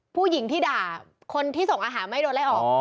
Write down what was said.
ผู้หญิงที่ด่าคนที่ส่งอาหารไม่โดนไล่ออก